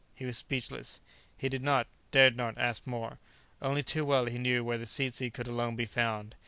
He was speechless. He did not, dared not, ask more. Only too well he knew where the tzetzy could alone be found.